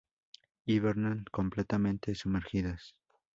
Hibernan completamente sumergidas.